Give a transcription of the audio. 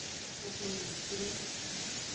Koklo lo nu eshi lo.